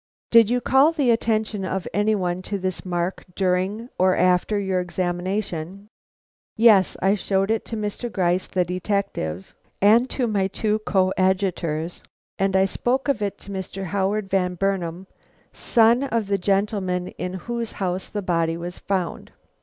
"Did you call the attention of any one to this mark during or after your examination?" "Yes; I showed it to Mr. Gryce the detective, and to my two coadjutors; and I spoke of it to Mr. Howard Van Burnam, son of the gentleman in whose house the body was found."